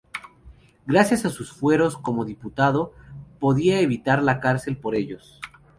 Gracias a sus fueros como diputado, podía evitar la cárcel por ellos.